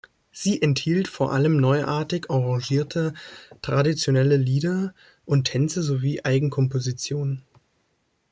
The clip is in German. Sie enthielt vor allem neuartig arrangierte traditionelle Lieder und Tänze sowie Eigenkompositionen.